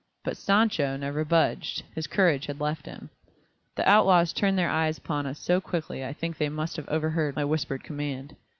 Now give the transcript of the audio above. But "Sancho" never budged, his courage had left him. The outlaws turned their eyes upon us so quickly I think they must have overheard my whispered command.